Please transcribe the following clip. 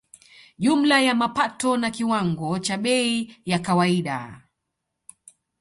Jumla ya mapato na kiwango cha bei ya kawaida